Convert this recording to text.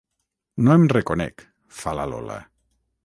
No em reconec, fa la Lola.